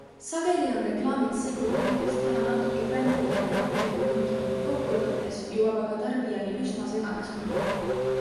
Sageli on reklaamid segu püüdest teha natuke brändile ja natuke müüki, kokkuvõttes jõuab aga tarbijani üsna segane sõnum.